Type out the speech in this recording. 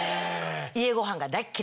家ごはんが大っ嫌い。